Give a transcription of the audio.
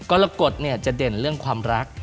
กรกฎจะเด่นเรื่องความรัก